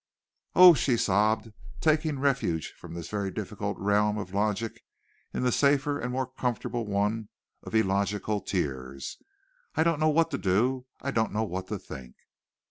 "Oh!" she sobbed, taking refuge from this very difficult realm of logic in the safer and more comfortable one of illogical tears. "I don't know what to do! I don't know what to think!"